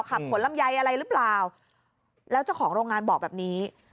ขับขนลำไยอะไรหรือเปล่าแล้วเจ้าของโรงงานบอกแบบนี้